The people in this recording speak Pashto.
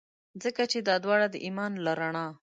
ځکه چي دا داوړه د ایمان له رڼا.